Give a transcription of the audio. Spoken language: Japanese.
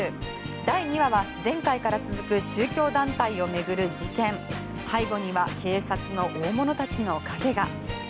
第２話は前回から続く宗教団体を巡る事件の背後には背後には警察の大物たちの影が。